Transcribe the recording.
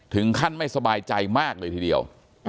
ถึงขั้นไม่สบายใจมากเลยทีเดียว